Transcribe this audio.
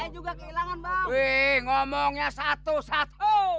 jangan pergi sama aku